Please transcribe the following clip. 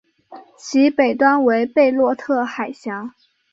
其北端为贝洛特海峡。